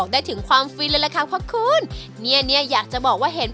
ได้ถึงความฟินเลยล่ะค่ะเพราะคุณเนี่ยเนี่ยอยากจะบอกว่าเห็น